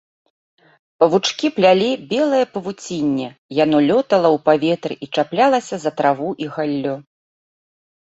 Павучкі плялі белае павуцінне, яно лётала ў паветры і чаплялася за траву і галлё.